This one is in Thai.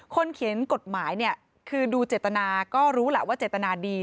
เขียนกฎหมายเนี่ยคือดูเจตนาก็รู้แหละว่าเจตนาดี